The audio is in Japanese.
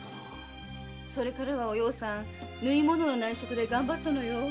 それからはお葉さん縫い物の内職で頑張ったのよ。